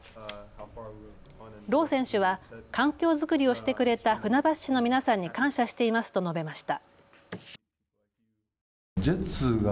ロー選手は環境作りをしてくれた船橋市の皆さんに感謝していますと述べました。